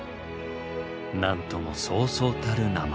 なんともそうそうたる名前。